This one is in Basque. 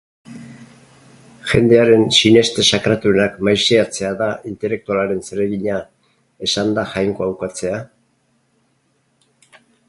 Jendearen sineste sakratuenak maiseatzea da intelektualaren zeregina esanda Jainkoa ukatzea?